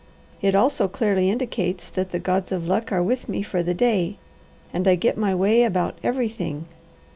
It also clearly indicates that the gods of luck are with me for the day, and I get my way about everything.